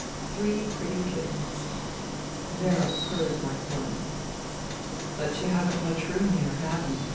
Three pretty kittens." Vera purred like one. " But you haven't much room here, have you